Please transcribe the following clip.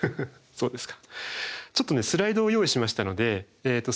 そうですね。